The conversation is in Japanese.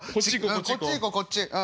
こっち行こうこっち行こう。